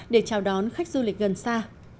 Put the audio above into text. để chào đón khách du lịch gần xa